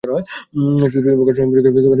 শুধুমাত্র ধর্ষণের অভিযোগে কিছু একটা হতে পারে।